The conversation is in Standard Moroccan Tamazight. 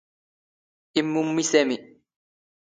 ⵉⵎⵎⵓⵎⵎⵉ ⵙⴰⵎⵉ.